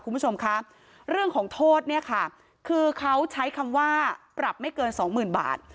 คุณผู้ชมคะเรื่องของโทษเนี่ยค่ะคือเขาใช้คำว่าปรับไม่เกินสองหมื่นบาท